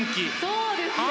そうですね。